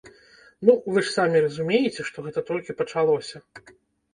Ну, вы ж самі разумееце, што гэта толькі пачалося.